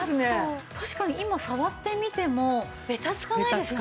確かに今触ってみてもベタつかないですね。